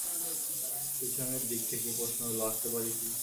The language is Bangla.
পিছনের দিক থেকে প্রশ্ন এল, আসতে পারি কি।